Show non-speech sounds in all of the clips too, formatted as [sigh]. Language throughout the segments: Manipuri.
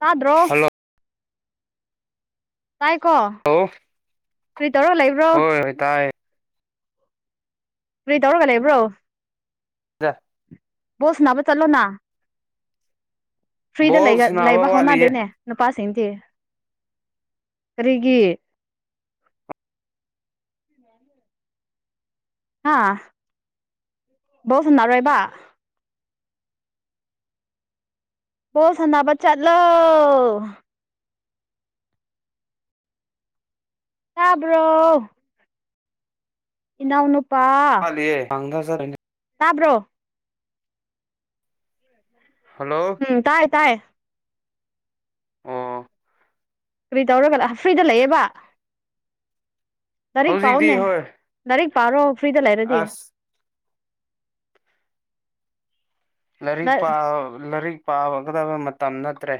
ꯇꯥꯗ꯭ꯔꯣ ꯍꯜꯂꯣ ꯇꯥꯏꯀꯣ ꯍꯣꯏ ꯐ꯭ꯔꯤ ꯇꯧꯔꯣ ꯂꯩꯕ꯭ꯔꯣ ꯍꯣꯏ ꯇꯥꯏ ꯐꯔꯤ ꯇꯧꯔꯒ ꯂꯩꯕ꯭ꯔꯣ ꯋꯥ ꯕꯣꯜꯁ ꯅꯥꯅꯕ ꯆꯠꯂꯣꯅ ꯐ꯭ꯔꯤꯗ ꯂꯩ ꯕꯣꯜ ꯁꯥꯟꯅꯕ ꯂꯩꯕ ꯋꯥꯠꯂꯤꯌꯦ ꯍꯧꯅꯗꯦꯅꯦ ꯅꯨꯄꯥꯗꯤ ꯀꯔꯤꯒꯤ ꯑ ꯧ ꯁꯨꯅꯔ ꯑꯣꯏꯣꯏꯕ ꯕꯣ ꯁꯥꯟꯅꯕ ꯆꯠꯂꯣ ꯇꯥꯕ꯭ꯔꯣ ꯏꯅꯎꯅ ꯍꯗꯔ ꯇꯥꯕ꯭ꯔꯣ ꯍꯜꯂꯣ ꯎꯝ ꯇꯥꯏ ꯇꯥꯏ ꯑꯣ ꯀꯔꯤ ꯇꯧꯔꯒ ꯐ꯭ꯔꯤꯗ ꯂꯩꯌꯦꯦꯕ ꯂꯥꯏꯔꯤꯛ ꯍꯧꯖꯤꯛꯇꯤ ꯄꯥꯎꯅꯦ ꯍꯣꯏ ꯂꯥꯏꯔꯤꯛ ꯄꯥꯔꯣ ꯐ꯭ꯔꯤꯗ ꯂꯩꯔꯗꯤ ꯑꯁ ꯂꯥꯏꯔꯤꯛ ꯂꯥꯏꯔꯤꯛ ꯄꯥꯒꯗꯕ ꯃꯇꯝ ꯅꯠꯇ꯭ꯔꯦ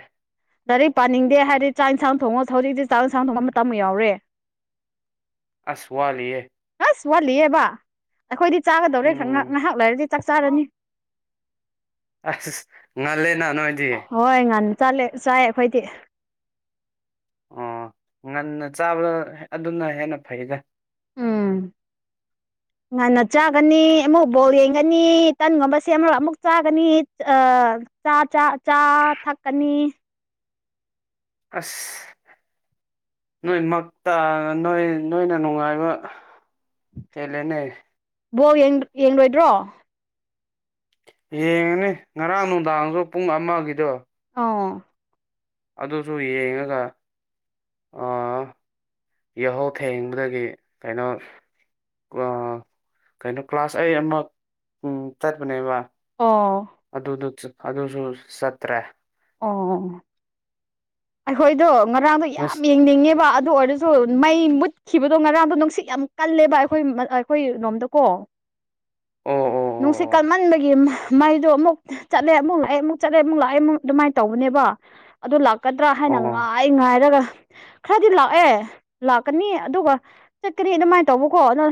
ꯗꯥꯏꯔꯤꯛ ꯄꯥꯅꯤꯡꯗꯦ ꯍꯥꯏꯗꯤ ꯆꯥꯛ ꯌꯦꯟꯁꯥꯡ ꯊꯣꯡꯉꯣꯁ ꯍꯧꯖꯤꯛꯇꯤ ꯆꯥꯛ ꯌꯦꯟꯁꯥꯡ ꯊꯣꯡꯕ ꯃꯇꯝ ꯌꯥꯎꯔꯦ ꯑꯁꯋꯥꯂꯤꯦ ꯑꯁ ꯋꯥꯠꯂꯤꯑꯕ ꯑꯩꯈꯣꯏꯗꯤ ꯆꯥꯒꯗꯧꯔꯦ ꯎꯝ ꯉꯥꯏꯍꯥꯛ ꯂꯩꯥꯏꯔꯗꯤ ꯆꯥꯛ ꯆꯥꯔꯅꯤ ꯑꯁ ꯉꯜꯂꯦꯅ ꯅꯣꯏꯗꯤ ꯆꯠꯂꯦ ꯆꯥꯏ ꯑꯩꯈꯣꯏꯗꯤ ꯑꯣ ꯉꯟꯅ ꯆꯥꯕꯗ ꯑꯗꯨꯅ ꯍꯦꯟꯅ ꯐꯩꯗ ꯎꯝ ꯉꯟꯅ ꯆꯥꯒꯅꯤ ꯑꯃꯨꯛ ꯕꯧ ꯌꯦꯡꯒꯅꯤ ꯇꯟꯒꯨꯝꯕꯁꯦ ꯑꯃꯨꯛ ꯑꯃꯨꯛ ꯆꯥꯒꯅꯤ ꯆꯥ ꯆ ꯆꯥ ꯊꯛꯀꯅꯤ ꯑꯁ ꯅꯣꯏ ꯃꯛꯇ ꯅꯣꯏ ꯅꯣꯏꯅ ꯅꯨꯡꯉꯥꯏꯕ ꯍꯂꯅꯦ ꯕꯣ ꯌꯦꯡꯔꯣꯏꯗ꯭ꯔꯣ ꯌꯦꯡꯉꯅꯤ ꯉꯔꯥꯡ ꯅꯨꯡꯗꯥꯡꯁꯨ ꯄꯨꯡ ꯑꯃꯒꯤꯗꯣ ꯑꯣ ꯑꯗꯨꯁꯨ ꯌꯦꯡꯉꯒ ꯑ ꯌꯥꯍꯧ ꯊꯦꯡꯕꯗꯒꯤ ꯀꯩꯅꯣ ꯀꯩꯅꯣ ꯀ꯭ꯂꯥꯁ ꯑꯩꯠ ꯑꯃ ꯆꯠꯄꯅꯦꯕ ꯑꯣ ꯑꯗꯨꯗꯨ ꯑꯗꯨꯁꯨ ꯁꯠꯇ꯭ꯔꯦ ꯑꯣ ꯑꯩꯈꯣꯏꯗꯣ ꯉꯔꯥꯡꯗꯣ ꯌꯥꯝ ꯉꯁꯤ ꯌꯦꯡꯅꯤꯡꯉꯦꯕ ꯑꯗꯨ ꯑꯣꯏꯔꯁꯨ ꯁ ꯃꯩ ꯃꯨꯠꯈꯤꯕꯗꯣ ꯉꯔꯥꯡꯗꯣ ꯅꯨꯡꯁꯤꯠ ꯌꯥꯝ ꯀꯜꯂꯦꯕ ꯑꯩꯈꯣꯏ ꯑꯩꯈꯣꯏ ꯔꯣꯝꯗꯀꯣ ꯑꯣ [unintelligible] ꯅꯨꯡꯁꯤꯠ ꯑꯣ ꯑꯣ ꯀꯟꯃꯟꯕꯒꯤ ꯃꯩꯗꯣ ꯑꯃꯨꯛ ꯆꯠꯂꯦ ꯑꯃꯨꯛ ꯂꯥꯛꯑꯦ ꯑꯃꯨꯛ ꯆꯠꯂꯦ ꯑꯃꯨꯛ ꯂꯥꯛꯑꯦ ꯑꯃꯨꯛ ꯑꯗꯨꯃꯥꯏꯅ ꯇꯧꯕꯅꯦꯕ ꯑꯗꯨ ꯂꯥꯛꯀꯗ꯭ꯔꯥ ꯑꯣ ꯍꯥꯏꯅ ꯑꯣ ꯉꯥꯏ ꯉꯥꯏꯔꯒ ꯈꯔꯗꯤ ꯂꯥꯛꯑꯦ ꯂꯥꯛꯀꯅꯤ ꯑꯗꯨꯒ ꯆꯠꯀꯅꯤ ꯑꯗꯨꯃꯥꯏꯅ ꯇꯧꯕꯀꯣ ꯑꯗꯨ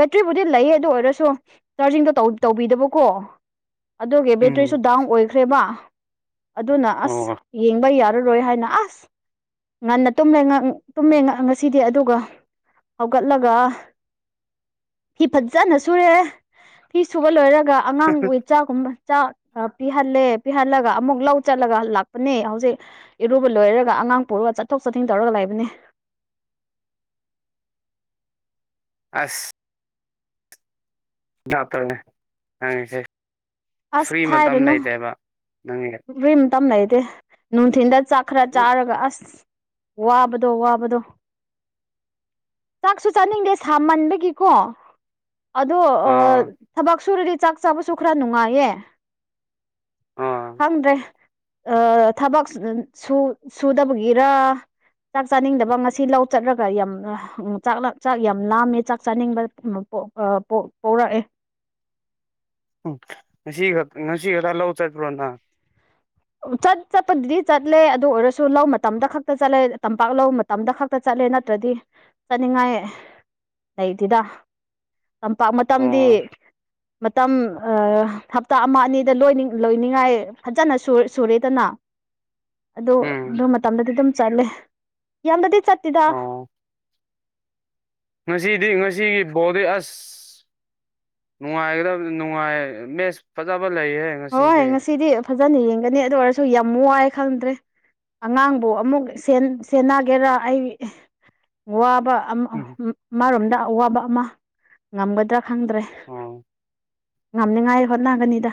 ꯕꯦꯇ꯭ꯔꯤꯕꯨꯗꯤ ꯂꯩ ꯑꯗꯨ ꯑꯣꯏꯔꯁꯨ ꯆꯥꯔꯖꯤꯡꯗꯣ ꯇꯧꯕꯤꯗꯕꯀꯣ ꯑꯗꯨꯒꯤ ꯕꯦꯇ꯭ꯔꯤꯁꯨ ꯎꯝ ꯗꯥꯎꯟ ꯑꯣꯏꯈ꯭ꯔꯦꯕ ꯑꯗꯨꯅ ꯑꯁ ꯑꯣ ꯌꯦꯡꯕ ꯌꯥꯔꯔꯣꯏ ꯍꯥꯏꯅ ꯑꯁ ꯉꯟꯅ ꯇꯨꯝꯃꯦ ꯇꯨꯝꯃꯦ ꯉꯁꯤꯗꯤ ꯑꯗꯨꯒ ꯍꯧꯒꯠꯂꯒ ꯐꯤ ꯐꯖꯅ ꯁꯨꯔꯦ ꯐꯤ ꯁꯨꯕ ꯂꯣꯏꯔ ꯑꯉꯥꯡꯕꯨꯋ ꯆꯥꯛꯒꯨꯝꯕ ꯆꯥꯛ ꯄꯤꯍꯜꯂꯦ ꯄꯤꯍꯜꯂꯒ ꯑꯃꯨꯛ ꯂꯧ ꯆꯠꯂꯒ ꯂꯥꯛꯄꯅꯦ ꯍꯧꯖꯤꯛ ꯏꯔꯨꯕ ꯂꯣꯏꯔꯒ ꯑꯉꯥꯡ ꯄꯨꯔꯒ ꯆꯠꯊꯣꯛ ꯆꯠꯁꯤꯟ ꯇꯧꯔꯒ ꯂꯩꯕꯅꯦ [unintelligible] ꯑꯁ ꯗꯥꯛꯇꯔꯅꯦ ꯍꯪꯉꯁꯦ ꯐ꯭ꯔꯤ ꯃꯇꯝ ꯂꯩꯇꯦꯕ ꯅꯪꯒꯤ ꯔꯤꯇ ꯂꯩꯗꯦ ꯅꯨꯡꯊꯤꯤꯟꯗ ꯆꯥꯛ ꯈꯔ ꯆꯥꯔꯒ ꯑꯁ ꯋꯥꯕꯗꯣ ꯋꯥꯕꯗꯣ ꯆꯥꯛꯁꯨ ꯆꯥꯅꯤꯡꯗꯦ ꯁꯥꯃꯟꯕꯒꯤꯀꯣ ꯑꯗꯣ ꯑꯥ ꯊꯕꯛ ꯁꯨꯔꯗꯤ ꯆꯥꯛ ꯆꯥꯕꯁꯨ ꯈꯔ ꯅꯨꯡꯉꯥꯏꯌꯦ ꯑꯥ ꯈꯪꯗ꯭ꯔꯦ ꯑ ꯊꯕꯛ ꯁꯨꯗꯕꯒꯤꯔ ꯆꯥꯛ ꯆꯥꯅꯤꯡꯗꯕ ꯉꯁꯤ ꯂꯧ ꯆꯠꯂꯒ ꯌꯥꯝꯥꯛ ꯆꯥꯛ ꯌꯥꯝ ꯂꯥꯝꯃꯦ ꯆꯥꯛ ꯆꯥꯅꯤꯡꯕ ꯄꯧꯔꯛꯑꯦ ꯎ ꯉꯁꯤ ꯉꯁꯤꯒ ꯂ ꯎ ꯆꯥꯏꯣꯅꯥ ꯆꯠ ꯆꯠꯄꯗꯨꯗꯤ ꯆꯠꯂꯦ ꯑꯗꯨ ꯑꯣꯏꯔꯁꯨ ꯂꯧ ꯃꯇꯝꯗ ꯈꯛꯇ ꯆꯠꯂꯦ ꯇꯝꯄꯥꯛ ꯂ ꯃꯇꯝꯗ ꯈꯛꯇ ꯆꯠꯂꯦ ꯆꯠꯂꯦ ꯅꯠꯇ꯭ꯔꯗꯤ ꯆꯠꯅꯤꯡꯉꯥꯏ ꯂꯩꯇꯗ ꯇꯝꯄꯥꯛ ꯃꯇꯝꯗꯤ ꯑꯣ ꯃꯇꯝ ꯍꯞꯇꯥ ꯑꯃ ꯑꯅꯤꯗ ꯂꯣꯏꯅꯤꯡꯉꯥꯏ ꯐꯖꯅ ꯁ ꯁꯨꯔꯦꯗꯅ ꯑꯗꯨ ꯎꯝ ꯑꯗꯨ ꯃꯇꯝꯗꯗꯤ ꯑꯗꯨꯝ ꯆꯠꯂꯦ ꯌꯥꯝꯅꯗꯤ ꯆꯠꯇꯦꯗ ꯑꯣ ꯉꯁꯤꯗꯤ ꯉꯁꯤꯒꯤ ꯕꯣꯗꯤ ꯑꯁ ꯅꯨꯡꯉꯥꯏꯒꯗꯕ ꯅꯨꯡꯉꯥꯏ ꯃꯦꯁ ꯐꯖꯕ ꯍꯣꯏ ꯉꯁꯤꯗꯤ ꯐꯖꯅ ꯌꯦꯡꯒꯅꯤ ꯑꯗꯨ ꯑꯣꯏꯔꯁꯨ ꯌꯥꯝ ꯋꯥꯏꯦ ꯈꯪꯗ꯭ꯔꯦ ꯑꯉꯥꯡꯕꯨ ꯑꯃꯨꯛ ꯁꯦꯟꯅꯒꯦꯔꯥ ꯑꯩ ꯋꯥꯕ ꯎꯝ ꯃꯥꯔꯣꯝꯗ ꯑꯋꯥꯕ ꯑꯃ ꯉꯝꯒꯗ꯭ꯔꯥ ꯈꯪꯗ꯭ꯔꯦ ꯑꯣ ꯉꯝꯅꯤꯉꯥꯏ ꯍꯣꯠꯅꯒꯅꯤꯗ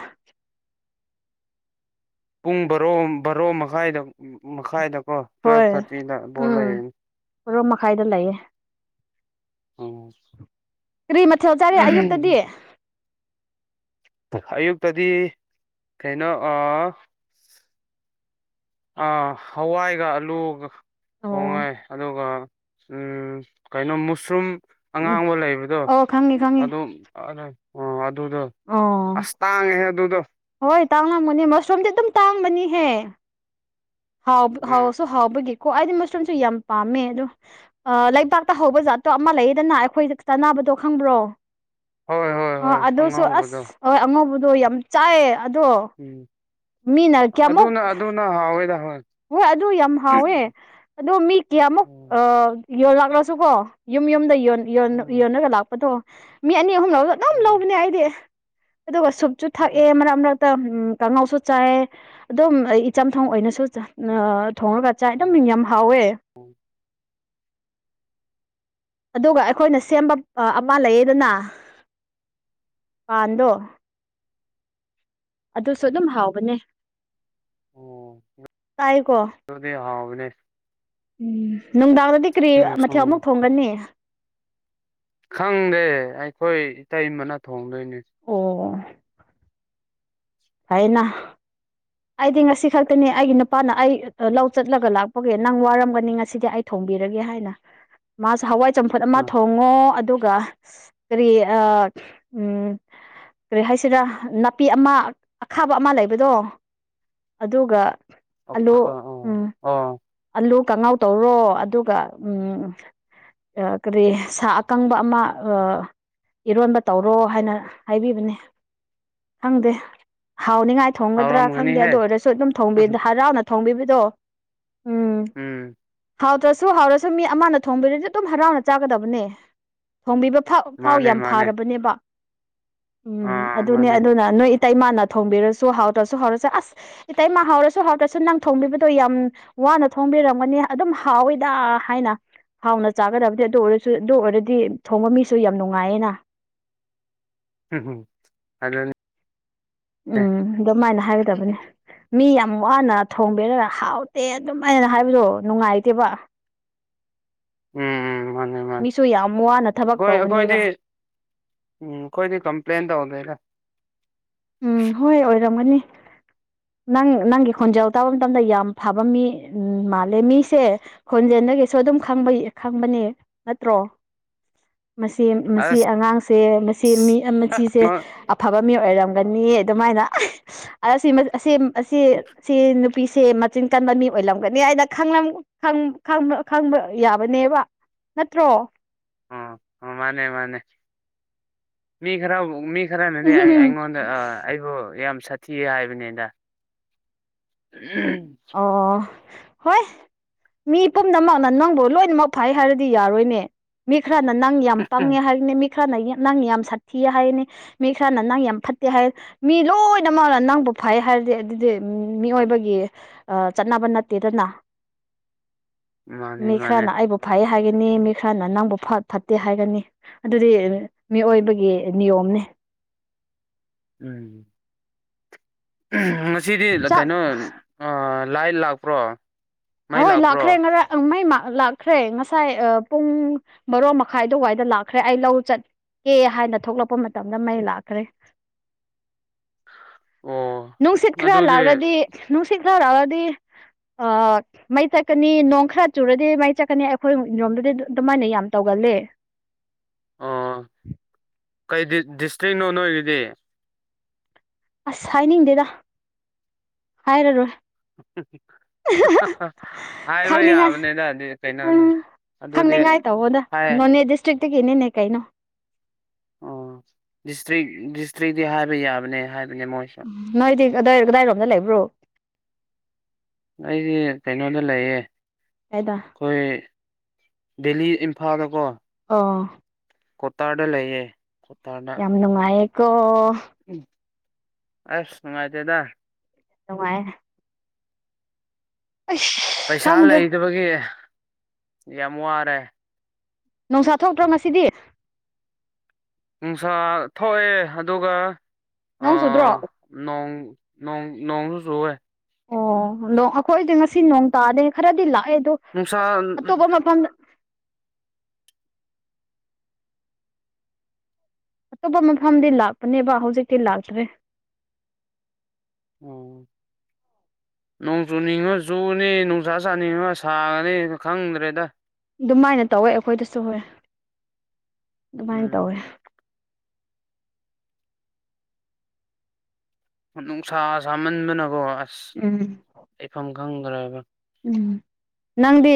ꯄꯨꯡ ꯕꯔꯣ ꯕꯔꯣ ꯃꯈꯥꯏꯗ ꯃꯈꯥꯏꯗ ꯑꯣ ꯇꯨꯋꯦꯜꯞ ꯊꯥꯔꯇꯤꯗ ꯕꯣꯜ ꯂꯩꯌꯦ ꯍꯣꯔꯣ ꯃꯈꯥꯏꯗ ꯂꯩꯌꯦꯦ ꯑꯣ ꯀꯔꯤ ꯃꯊꯦꯜ ꯆꯥꯔꯦ ꯑꯌꯨꯛꯇꯗꯤ ꯑꯌꯨꯛꯇꯗꯤ ꯀꯩꯅꯣ ꯑꯥ ꯍꯋꯥꯏꯒ ꯑꯂꯨꯒ ꯑꯣ ꯊꯣꯡꯉꯦ ꯑꯗꯨꯒ ꯎꯝ ꯀꯩꯅꯣ ꯃꯨꯁ꯭ꯔꯨꯝ ꯎꯝ ꯑꯉꯥꯡꯕ ꯂꯩꯕꯗꯣ ꯑꯣ ꯈꯪꯉꯤ ꯈꯪꯉꯤ ꯑꯗꯨꯝ ꯑꯗꯨꯗꯣ ꯑꯣ ꯑꯁ ꯇꯥꯡꯉꯦꯍꯦ ꯑꯗꯨꯗꯣ ꯍꯣꯏ ꯇꯥꯡꯂꯝꯒꯅꯤ ꯃꯁꯔꯨꯝꯗꯤ ꯑꯗꯨꯝ ꯇꯥꯡꯕꯅꯤꯍꯦ ꯍꯥꯎꯕ ꯎꯝ ꯍꯥꯎꯁꯨ ꯍꯥꯎꯕꯒꯤ ꯀꯣ ꯑꯩꯗꯤ ꯃꯁꯔꯨꯝꯁꯨ ꯌꯥꯝ ꯄꯥꯝꯃꯦ ꯑꯗꯣ ꯂꯩꯕꯥꯛꯇꯥ ꯍꯧꯕ ꯖꯥꯠꯇꯣ ꯑꯃ ꯂꯩꯌꯦꯗꯅ ꯑꯩꯈꯣꯏ ꯆꯥꯅ ꯈꯪꯕ꯭ꯔꯣ ꯍꯣꯏ ꯍꯣꯏ ꯑ ꯍꯣꯏ ꯑꯗꯨꯁꯨ ꯑꯉꯧꯕꯗꯣ ꯑꯁ ꯍ ꯑꯉꯧꯕꯗꯣ ꯌꯥꯝ ꯆꯥꯏꯌꯦ ꯑꯗꯣ ꯎꯝ ꯃꯤꯅ ꯀꯌꯥꯃꯨꯛ ꯑꯗꯨꯅ ꯑꯗꯨꯅ ꯍꯥꯎꯋꯦꯗ ꯍꯣꯏ ꯑꯗꯨ ꯌꯥꯝ ꯍꯥꯎꯋꯦ ꯑꯗꯣ ꯃꯤ ꯀꯌꯥꯃꯨꯛ ꯑꯣ ꯑꯥ ꯌꯣꯟ ꯂꯥꯛꯂꯁꯨꯀꯣ ꯌꯨꯝ ꯌꯨꯝꯗ ꯑꯣ ꯌꯣꯟꯂꯒ ꯂꯥꯛꯄꯗꯣ ꯃꯤ ꯑꯅꯤ ꯑ ꯑꯨꯝ ꯑꯗꯨꯝ ꯑꯣ ꯂꯧꯕꯅꯦ ꯑꯩꯗꯤ ꯑꯗꯨꯒ ꯁꯨꯞꯁꯨꯨ ꯊꯛꯑꯦ ꯃꯔꯛ ꯃꯔꯛ ꯀꯥꯡꯉꯥꯎꯁꯨ ꯆꯥꯏ ꯑꯗꯨꯝ ꯑꯩ ꯆꯝꯊꯣꯡ ꯑꯣꯏꯅꯁꯨ ꯊꯣꯡꯉꯒ ꯆꯥꯏ ꯑꯗꯨꯝ ꯑꯣ ꯌꯥꯝ ꯍꯥꯎꯋꯦ ꯑꯗꯨꯒ ꯑꯩꯈꯣꯏꯅ ꯁꯦꯝꯕ ꯑꯃ ꯂꯩꯌꯦꯗꯅ ꯀꯥꯟꯗꯣ ꯑꯗꯨꯁꯨ ꯑꯗꯨꯝ ꯍꯥꯎꯕꯅꯦ ꯑꯣ ꯇꯥꯏꯀꯣ ꯁ ꯎꯝ ꯅꯨꯡꯗꯥꯡꯗꯗꯤ ꯀꯔꯤ ꯃꯊꯦꯜ ꯎꯝ ꯑꯃꯨꯛ ꯊꯣꯡꯒꯅꯤ ꯈꯪꯗꯦ ꯑꯩꯈꯣꯏ ꯏꯇꯩꯃꯅ ꯊꯣꯡꯗꯣꯏꯅꯦ ꯍꯥꯏꯅ ꯑꯩꯗꯤ ꯉꯁꯤ ꯈꯛꯇꯅꯦ ꯑꯩꯒꯤ ꯅꯨꯄꯥꯅ ꯑꯩ ꯂꯧ ꯆꯠꯂꯒ ꯂꯥꯛꯄꯒꯤ ꯅꯪ ꯋꯥꯔꯝꯒꯅꯤ ꯉꯁꯤꯗꯤ ꯑꯩ ꯊꯣꯛ ꯊꯣꯡꯕꯤꯔꯒꯦ ꯍꯥꯏꯅ ꯃꯥꯁꯦ ꯍꯋꯥꯏ ꯆꯝꯐꯨꯠ ꯑꯃ ꯑꯥ ꯊꯣꯡꯉꯣ ꯑꯗꯨꯒ ꯀꯔꯤ ꯑ ꯎꯝ ꯀꯔꯤ ꯍꯥꯏꯁꯤꯔ ꯅꯥꯄꯤ ꯑꯃ ꯑꯈꯥꯕ ꯑꯃ ꯂꯩꯕꯗꯣ ꯑꯗꯨꯒ ꯑ ꯑꯂꯨ ꯑ ꯎꯝ ꯑ ꯑꯂꯨ ꯀꯪꯉꯥꯎ ꯇꯧꯔꯣ ꯑꯗꯨꯒ ꯎꯝ ꯀꯔꯤ ꯁꯥ ꯑꯀꯪꯕ ꯑꯃ ꯑꯥ ꯏꯔꯣꯟꯕ ꯇꯧꯔꯣ ꯍꯥꯏꯅ ꯍꯥꯏꯕꯤꯕꯅꯦ ꯈꯪꯗꯦ ꯍꯥꯎꯅꯤꯉꯥꯏ ꯊꯣꯡꯒꯗ꯭ꯔꯥ ꯈꯪꯗꯦ ꯍꯥꯎꯔꯝꯒꯅꯤꯍꯦ ꯑꯗꯨ ꯑꯣꯏꯔꯁꯨ ꯑꯗꯨꯝ ꯍꯔꯥꯎꯅ ꯊꯣꯡꯕꯤꯕꯗꯣ ꯎꯝ ꯁꯨ ꯍꯥꯎꯔꯁꯨ ꯃꯤ ꯑꯃꯅ ꯊꯣꯡꯕꯤꯔꯗꯤ ꯑꯗꯨꯝ ꯍꯔꯥꯎꯅ ꯆꯥꯒꯗꯕꯅꯦ ꯊꯣꯡꯕꯤꯕꯥꯎ ꯐꯥꯎ ꯃꯥꯅꯦ ꯌꯥꯝ ꯃꯥꯅꯦ ꯐꯥꯔꯕꯅꯦꯕ ꯎꯝ ꯑꯥ ꯑꯗꯨꯅꯦ ꯃꯥꯅꯦ ꯑꯗꯨꯅ ꯅꯣꯏ ꯏꯇꯩꯃꯥꯅ ꯊꯣꯡꯕꯤꯔꯁꯨ ꯍꯥꯎꯗ꯭ꯔꯁꯨ ꯍꯥꯎꯔꯁꯨ ꯑꯁ ꯏꯇꯩꯃꯥ ꯍꯥꯎꯔꯁꯨ ꯍꯥꯎꯔꯁꯨ ꯅꯪ ꯊꯣꯡꯕꯤꯕꯗꯣ ꯌꯥꯝ ꯋꯥꯅ ꯊꯣꯡꯕꯤꯔꯝꯒꯅꯤ ꯑꯗꯨꯝ ꯍꯥꯎꯋꯤꯗ ꯍꯥꯏꯅ ꯍꯥꯎꯅ ꯆꯥꯒꯗꯕꯅꯦ ꯑꯗꯨ ꯑꯣꯏꯔꯁꯨ ꯑꯗꯨ ꯑꯣꯏꯔꯗꯤ ꯊꯣꯡꯕ ꯃꯤꯁꯨ ꯌꯥꯝ ꯅꯨꯡꯉꯥꯏꯌꯦꯅ ꯎꯝ ꯑꯗꯨ ꯅꯦ ꯎꯝ ꯑꯗꯨꯃꯥꯏꯅ ꯍꯥꯏꯒꯗꯕꯅꯦ ꯃꯤ ꯌꯥꯝ ꯋꯥꯅ ꯊꯣꯡꯕꯤꯔꯒ ꯍꯥꯎꯇꯦ ꯑꯗꯨꯝꯥꯏꯅ ꯍꯥꯏꯕꯗꯣ ꯅꯨꯡꯉꯥꯏꯇꯦꯕ ꯗ ꯎꯝ ꯎꯝ ꯃꯥꯅꯦ ꯃꯥꯅꯦ ꯌꯥꯝ ꯋꯥꯅ ꯊꯕꯛ ꯑꯩꯈꯣꯏ ꯇꯧꯕꯅꯦꯕ ꯑꯩꯈꯣꯏꯗꯤ ꯎꯝ ꯈꯣꯢꯗꯤ ꯀꯝꯄ꯭ꯂꯦꯟ ꯇꯧꯗꯦꯗ ꯎꯝ ꯍꯣꯏ ꯑꯣꯏꯔꯝꯒꯅꯤ ꯅꯪ ꯅꯪꯒꯤ ꯈꯣꯟꯖꯦꯜ ꯇꯥꯕ ꯃꯇꯝꯗ ꯌꯥꯝ ꯐꯕ ꯃꯤ ꯃꯥꯜꯂꯦ ꯃꯤꯁꯦ ꯈꯣꯟꯖꯦꯜ ꯅꯪꯒꯤꯁꯨ ꯑꯗꯨꯝ ꯈꯕ ꯈꯪꯕꯅꯦ ꯅꯠꯇ꯭ꯔꯣ ꯃꯁꯤ ꯃꯁꯤ ꯑꯁ ꯑꯉꯥꯡꯁꯦ ꯃꯁꯤ ꯃꯤ ꯃꯁꯤꯁꯦ ꯑꯐꯕ ꯃꯤ ꯑꯣꯏꯔꯝꯒ ꯑꯗꯨꯃꯥꯏꯅ ꯑꯁꯤ ꯅꯨꯄꯤꯁꯦ ꯃꯆꯤꯟ ꯀꯟꯕ ꯃꯤ ꯑꯣꯏꯂꯝꯒꯅꯤ ꯍꯥꯏꯅ ꯈꯪꯕ ꯌꯥꯕꯅꯦꯕ ꯅꯠꯇ꯭ꯔꯣ ꯑꯣ ꯃꯥꯅꯦ ꯃꯥꯅꯦ ꯃꯤ ꯈꯔ ꯃꯤ ꯈꯔꯅꯗꯤ ꯎꯝ ꯑꯩꯉꯣꯟꯗ ꯑꯩꯕꯨ ꯌꯥꯝ ꯁꯥꯊꯤꯌꯦ ꯍꯥꯏꯕꯅꯤꯗ ꯎꯝ ꯑꯣ ꯍꯣꯏ ꯃꯤ ꯄꯨꯝꯅꯃꯛꯅ ꯅꯪꯕꯨ ꯂꯣꯏꯅꯃꯛ ꯐꯩ ꯍꯥꯏꯔꯗꯤ ꯌꯥꯔꯣꯏꯅꯦ ꯃꯤ ꯈꯔꯅ ꯅꯪ ꯌꯥꯝ ꯄꯥꯡꯉꯦ ꯍꯥꯏꯔꯤꯅꯦ ꯃꯤ ꯃꯤ ꯈꯔꯅ ꯅꯪ ꯌꯥꯝ ꯁꯥꯠꯊꯤ ꯍꯥꯏꯅꯤ ꯃꯤ ꯈꯔꯅ ꯅꯪ ꯌꯥꯝ ꯐꯠꯇꯦ ꯍꯥꯏꯅꯤ ꯃꯤ ꯂꯣꯏꯅꯃꯛꯒ ꯅꯪꯕꯨ ꯎ ꯐꯩ ꯍꯥꯏꯔꯗꯤ ꯑꯗꯨꯗꯤ ꯃꯤꯑꯣꯏꯕꯒꯤ ꯆꯠꯅꯕ ꯅꯠꯇꯦꯗꯅ ꯃꯥꯅꯦ ꯃꯤ ꯃꯥꯅꯦ ꯈꯔꯅ ꯑꯩꯕꯨ ꯐꯥꯏ ꯍꯥꯏꯒꯅꯤ ꯃꯤ ꯈꯔꯅ ꯅꯪꯕꯨ ꯐꯠꯇꯦ ꯍꯥꯏꯒꯅꯤ ꯑꯗꯨꯗꯤ ꯃꯤꯑꯣꯏꯕꯒꯤ ꯅꯤꯌꯣꯝꯅꯦ ꯎꯝ ꯉꯁꯤꯗꯤ ꯆꯥꯛ ꯀꯩꯅꯣ ꯂꯥꯏ ꯂꯥꯛꯄ꯭ꯔꯣ ꯃꯩ ꯑꯣꯏ ꯂꯥꯛꯄ꯭ꯔꯣ ꯂꯥꯛꯈ꯭ꯔꯦ ꯉꯔꯥꯡ ꯃꯥꯏ ꯃꯥ ꯂꯥꯛꯈ꯭ꯔꯦ ꯉꯁꯥꯏ ꯄꯨꯡ ꯕꯔꯣ ꯃꯈꯥꯏ ꯑꯗꯨꯋꯥꯏꯗ ꯂꯥꯛꯈ꯭ꯔꯦ ꯑꯩ ꯂꯧ ꯆꯠ ꯀꯦ ꯍꯥꯏꯅ ꯊꯣꯛꯂꯛꯄ ꯃꯇꯝꯗ ꯃꯩ ꯂꯥꯛꯈ꯭ꯔꯦ [inaudible] ꯅꯨꯡꯁꯤꯠ ꯈꯔ ꯑꯗꯨꯗꯤ ꯂꯥꯛꯔꯗꯤ ꯅꯨꯡꯁꯤꯠ ꯈꯔ ꯂꯥꯛꯔꯗꯤ ꯑ ꯃꯩ ꯆꯠꯀꯅꯤ ꯅꯣꯡ ꯈꯔ ꯆꯨꯔꯗꯤ ꯃꯩ ꯆꯠꯀꯅꯤ ꯑꯩꯈꯣꯏ ꯏꯔꯣꯝꯗꯗꯤ ꯑꯗꯨꯃꯥꯏꯅ ꯌꯥꯝ ꯇꯧꯒꯅꯤ ꯒꯜꯂꯦ ꯑ ꯀꯩ ꯗꯤꯁꯇ꯭ꯔꯤꯛꯅꯣ ꯑꯣꯏꯒꯤꯗꯤ ꯑꯁ ꯍꯥꯏꯅꯤꯡꯗꯦꯗ ꯍꯥꯏꯔꯔꯣꯏ [inaudible] ꯈꯪꯅꯤꯡꯉꯥꯏ ꯌꯥꯕꯅꯤꯗꯗꯤ ꯎꯝ ꯀꯩꯅꯣꯅꯦ ꯑꯗꯨꯗꯤ ꯈꯪꯅꯤꯡꯉꯥꯏ ꯇꯧꯕꯗ ꯍꯥꯏ ꯅꯣꯅꯦ ꯗꯤꯁꯇ꯭ꯔꯤꯛ ꯒꯤ ꯅꯅꯦ ꯀꯥꯏꯅꯣ ꯑꯣ ꯗꯤꯁꯇ꯭ꯔꯤꯛ ꯗꯤꯁꯇ꯭ꯔꯤꯤ ꯍꯥꯏꯕ ꯌꯥꯕꯅꯦ ꯍꯥꯏꯕꯅꯦ ꯃꯣꯏꯁꯨ ꯑꯗꯥꯏ ꯀꯗꯥꯏꯔꯣꯝꯗ ꯂꯩꯕ꯭ꯔꯣ ꯑꯩꯁꯦ ꯀꯩꯅꯣꯗ ꯂꯩꯌꯦ ꯀꯗꯥꯏꯗ ꯑꯩꯈꯣꯏ ꯗꯦꯂꯤ ꯐꯥꯗꯣꯀꯣ ꯑ ꯀꯣꯇꯥꯗ ꯂꯩꯌꯦ ꯌꯥꯝ ꯅꯨꯡꯉꯥꯏ ꯑ‍ꯦꯀꯣ ꯎꯝ ꯑꯁ ꯅꯨꯡꯉꯥꯏꯇꯦꯗ ꯅꯨꯡꯉꯥꯏꯌ‌ꯦ ꯄꯩꯁꯥ ꯈꯪꯗ꯭ꯔꯦ ꯂꯩꯗꯕꯒꯤ ꯌꯥꯝ ꯋꯥꯔꯦ ꯅ‌ꯣꯡꯁꯥ ꯊꯣꯛꯇ꯭ꯔꯣ ꯉꯁꯤꯗꯤ ꯅꯨꯡꯁꯥ ꯊꯣꯛꯑꯦ ꯑꯗꯨꯒ ꯅꯣꯡ ꯆꯨꯗ꯭ꯔꯣ ꯅꯣꯡ ꯅꯣꯡ ꯅꯣꯡꯁꯨ ꯁꯣꯑꯦ ꯑꯣ ꯑꯗ ꯑꯩꯈꯣꯏꯗꯤ ꯉꯁꯤ ꯅꯣꯡ ꯇꯥꯗ ꯈꯔꯗꯤ ꯂꯥꯛ ꯑꯩꯗꯣ ꯅꯨꯡꯁꯥ ꯑꯇꯣꯞꯄ ꯃꯐꯝꯗ ꯑꯇꯣꯞꯄ ꯃꯐꯝꯗꯤ ꯂꯥꯛꯄꯅꯦꯕ ꯍꯧꯖꯤꯛꯇꯤ ꯂꯥꯛꯇ꯭ꯔꯦ [inaudible] ꯑꯣ ꯅꯣꯡ ꯆꯨꯅꯤꯡꯉꯣ ꯆꯨꯅꯤ ꯅꯨꯡꯁꯥ ꯁꯥꯥꯅꯤꯡꯉꯣ ꯁꯥꯒꯅꯤ ꯈꯪꯗ꯭ꯔꯦꯗ ꯑꯗꯨꯃꯥꯏꯅ ꯇꯧꯋꯦ ꯑꯩꯈꯣꯏꯗꯁꯨ ꯍꯣꯏ ꯑꯗꯨꯃꯥꯏꯅ ꯎꯝ ꯇꯧꯋꯦ ꯅꯨꯡꯁꯥ ꯁꯥꯃꯟꯕꯅꯀꯣ ꯑꯁ ꯎꯝ ꯂꯩꯐꯝ ꯈꯪꯗ꯭ꯔꯕ ꯎꯝ ꯅꯪꯗꯤ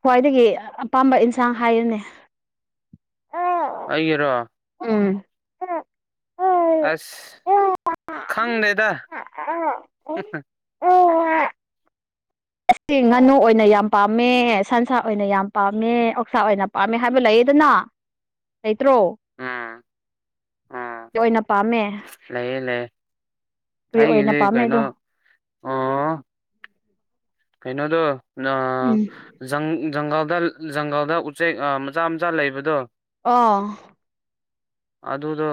ꯈ꯭ꯋꯥꯏꯗꯒꯤ ꯑꯄꯥꯝꯕ ꯏꯟꯁꯥꯡ ꯍꯥꯏꯑꯣꯅꯦ ꯑꯩꯒꯤꯔꯣ ꯍ ꯑꯁ ꯈꯪꯗꯦꯗ ꯍ ꯑꯁ ꯉꯥꯅꯨ ꯑꯣꯏꯅ ꯌꯥꯝ ꯄꯥꯝꯃꯦ ꯁꯟꯁꯥ ꯑꯣꯏꯅ ꯌꯥꯝ ꯄꯥꯝꯃꯦ ꯑꯣꯛꯁꯥ ꯑꯣꯏꯅ ꯄꯥꯝꯃꯦ ꯍꯥꯏꯕ ꯂꯩ ꯑꯗꯨꯅ ꯂꯩꯇ꯭ꯔꯣ ꯎꯝ ꯎꯝ ꯑꯣꯏꯅ ꯄꯥꯝꯃꯦ ꯀꯔꯤ ꯑꯣꯏꯅ ꯑꯩꯗꯤ ꯄꯥꯝꯃꯦ ꯀꯩꯅꯣ ꯑꯗꯣ ꯑ ꯀꯩꯅꯣꯗꯣ ꯎꯝ ꯖꯪ ꯖꯪꯚꯜ ꯗ ꯖꯪꯒꯜꯗ ꯎꯆꯦꯛ ꯃꯆꯥ ꯃꯆꯥ ꯂꯩꯕꯗꯣ ꯑꯥ ꯑꯗꯨꯗꯣ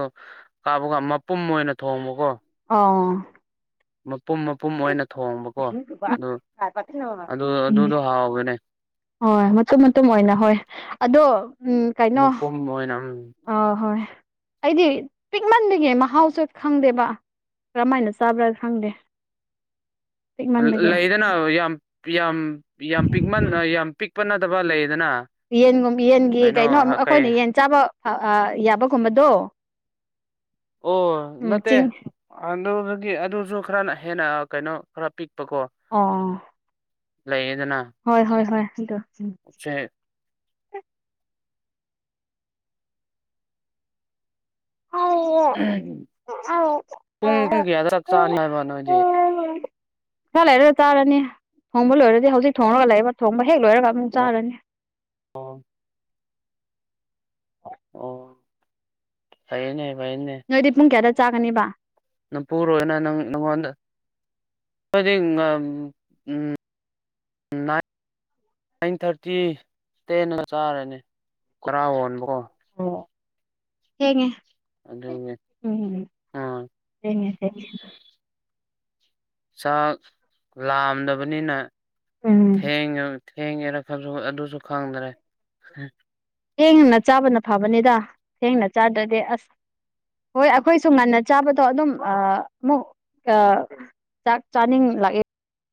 ꯀꯥꯞꯕꯒ ꯃꯄꯨꯝ ꯑꯣꯏꯅ ꯊꯣꯡꯕꯀꯣ ꯑ ꯄꯨꯝ ꯃꯄꯨꯝ ꯑꯣꯏꯅ ꯊꯣꯡꯕꯀꯣ ꯑꯗꯨ ꯑꯗꯨ ꯎꯝ ꯑꯗꯨꯗꯣ ꯍꯥꯎꯒꯅꯦ ꯍꯣꯏ ꯃꯇꯨꯝ ꯃꯇꯨꯝ ꯑꯣꯏꯅ ꯍꯣꯏ ꯑꯗꯣ ꯎꯝ ꯀꯥꯏꯅꯣ ꯃꯄꯨꯝ ꯑꯣꯏꯅ ꯎꯝ ꯑ ꯍꯣꯏ ꯑꯩꯗꯤ ꯄꯤꯛꯃꯟꯕꯒꯤ ꯃꯍꯥꯎꯁꯨ ꯈꯪꯗꯦꯕ ꯀꯔꯝꯃꯥꯏꯅ ꯆꯥꯕ꯭ꯔꯥ ꯈꯪꯗꯦ ꯄꯤꯛꯃꯟꯕꯒꯤ ꯂꯩꯗꯅ ꯌꯥꯝ ꯌꯥꯝ ꯌꯥꯝ ꯄ ꯌꯥꯝ ꯄꯤꯛꯄ ꯅꯠꯇꯕ ꯂꯩꯗ ꯌꯦꯟꯒꯨꯝ ꯌꯦꯟꯒꯤ ꯀꯩꯅꯣ ꯑꯃꯨꯛ ꯀꯩ ꯑꯩꯈꯣꯏꯅ ꯌꯦꯟ ꯆꯥꯕ ꯌꯥꯕꯒꯨꯝꯕꯗꯣ ꯑꯣ ꯎꯝ ꯅꯠꯇꯦ ꯆꯤꯡ ꯑꯗꯨꯗꯒꯤ ꯑꯗꯨꯁꯨ ꯈꯔꯅ ꯍꯦꯟꯅ ꯀꯩꯅꯣ ꯈꯔ ꯄꯤꯛ ꯑ ꯍꯣꯏ ꯍꯣꯏ ꯍꯣꯏ ꯍꯣ ꯎꯆꯦꯛ ꯄꯨꯡ ꯄꯨꯡ ꯀꯌꯥꯗꯛ ꯆ ꯍꯥꯏ ꯆꯥ ꯂꯩꯔꯁꯨ ꯆꯥꯔꯅꯤ ꯊꯣꯡꯕ ꯂꯣꯏꯔꯗꯤ ꯍꯧꯖꯤꯛ ꯊꯣꯡꯉꯒ ꯂꯩ ꯊꯣꯡꯕ ꯍꯦꯛ ꯂꯣꯏꯔꯒꯞ ꯆꯥꯔꯅꯤ ꯑ ꯑꯣ ꯐꯩꯅꯦ ꯅꯣꯏꯗꯤ ꯄꯨꯡ ꯀꯌꯥꯗ ꯆꯥꯒꯅꯤꯕ ꯅꯪ ꯄꯨꯔꯣꯏꯅ ꯅꯪ ꯅꯪꯉꯣꯟꯗ ꯗꯤ ꯎꯝ ꯅꯥꯏꯟ ꯊꯥꯔꯇꯤ ꯇꯦꯟꯗ ꯆꯥꯔꯅꯤ ꯈꯔꯥ ꯍꯣꯟꯕꯀꯣ ꯑꯣ ꯊꯦꯡꯉꯦ ꯑꯗꯨꯒꯤ ꯎꯝ ꯑꯥ ꯆꯥꯛ ꯂꯥꯝꯗꯕꯅꯤꯅ ꯎꯝ ꯊꯦꯡꯉ ꯊꯦꯡꯉꯦꯔ ꯈꯜꯁꯨ ꯑꯗꯨꯁꯨ ꯈꯪꯗꯔꯦ ꯊꯦꯡꯅ ꯆꯥꯕꯅ ꯐꯕꯅꯤꯗ ꯊꯦꯡꯅ ꯆꯥꯗ꯭ꯔꯗꯤ ꯑꯁ ꯍꯣꯏ ꯑꯩꯈꯣꯏꯁꯨ ꯉꯟꯅ ꯆꯥꯕꯗꯣ ꯑꯗꯨꯝ ꯑꯃꯨꯛ ꯆꯥꯛ ꯆꯥꯅꯤꯡ ꯂꯥꯛꯑꯦ